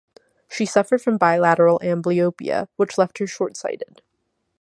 She suffered from bilateral amblyopia, which left her short-sighted.